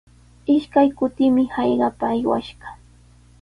Ishkay kutimi hallqapa aywash kaa.